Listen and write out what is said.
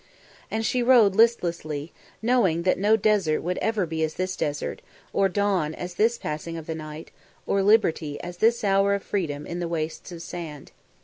And she rode listlessly, knowing that no desert would ever be as this desert, or dawn as this passing of the night, or liberty as this hour of freedom in the wastes of sand.